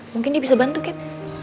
mungkin dia bisa bantu kat